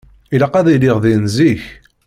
Ilaq ad iliɣ din zik.